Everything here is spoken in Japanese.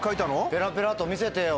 ペラペラと見せてよ。